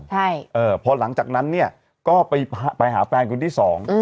ใช่เออพอหลังจากนั้นเนี่ยก็ไปหาแฟนคนที่สอง